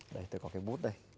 đây tôi có cái bút đây